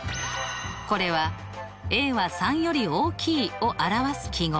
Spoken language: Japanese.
これはは３より大きいを表す記号。